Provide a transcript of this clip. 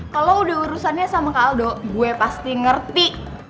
kalau udah urusannya sama kak aldo gue pasti ngerti